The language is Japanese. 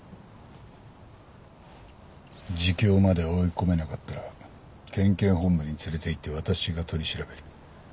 自供まで追い込めなかったら県警本部に連れていって私が取り調べる。